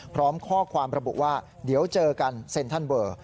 พร้อมข้อความระบุว่าเดี๋ยวเจอกันเซ็นทรัลเวอร์